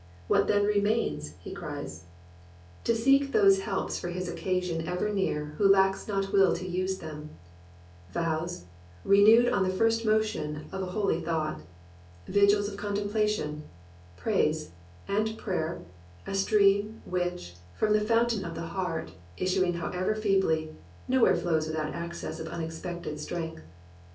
"Wliat then remains?" he cries — "To seek Those helps for his occasion ever near Who lacks not will to use them; vows, renewed On the first motion of a holy thought; Vigils of contemplation; praise; and prayer — A stream, which, from the fountain of the heart, Issuing however feebly, nowhere flows Without access of unexpected strength.